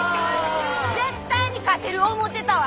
絶対に勝てる思うてたわ！